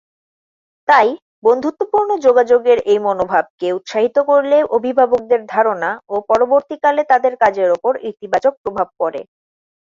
তাই, বন্ধুত্বপূর্ণ যোগাযোগের এই মনোভাবকে উৎসাহিত করলে অভিভাবকদের ধারণা ও পরবর্তীকালে তাদের কাজের ওপর ইতিবাচক প্রভাব পড়ে।